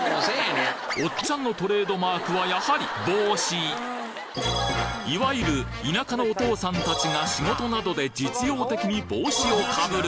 オッチャンのトレードマークはやはりいわゆる田舎のお父さんたちが仕事などで実用的に帽子を被る。